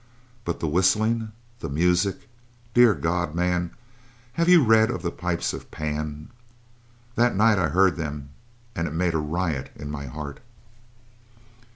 But the whistling the music! Dear God, man, have you read of the pipes of Pan? That night I heard them and it made a riot in my heart.